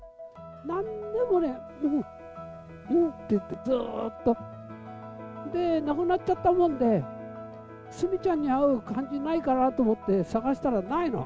なんでもね、うん、うんって言って、ずっと、で、亡くなっちゃったもんで、スミちゃんに合う漢字ないかなと思って探したら、ないの。